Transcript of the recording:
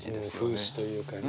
風刺というかね。